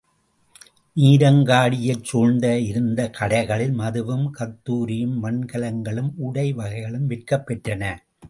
நீரங்காடியைச் சூழ இருந்த கடைகளில் மதுவும் கத்தூரியும் மண்கலன்களும் உடை வகைகளும் விற்கப் பெற்றன.